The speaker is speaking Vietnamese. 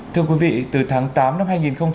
thưa quý vị từ tháng tám năm hai nghìn hai mươi ba